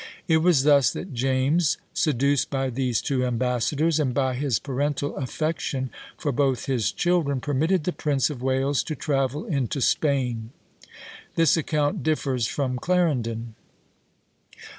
It was thus that James, seduced by these two ambassadors, and by his parental affection for both his children, permitted the Prince of Wales to travel into Spain." This account differs from Clarendon.